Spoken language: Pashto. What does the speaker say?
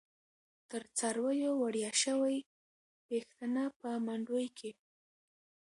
تر څارویو وړیاشوی، پیښتنه په منډوی کی